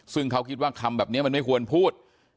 ซึ่งเขาคิดว่าคำแบบนี้มันไม่ควรพูด